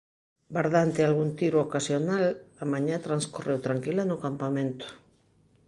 Bardante algún tiro ocasional, a mañá transcorreu tranquila no campamento.